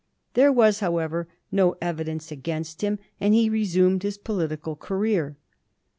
There was, however, no evidence against him, and he resumed his political cai'eer.